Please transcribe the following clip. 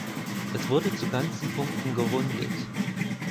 Es wurde zu ganzen Punkten gerundet.